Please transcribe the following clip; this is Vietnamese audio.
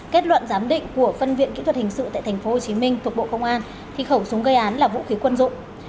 kết luận giám định của phân viện kỹ thuật hình sự tại tp hcm thuộc bộ công an thì khẩu súng gây án là vũ khí quân dụng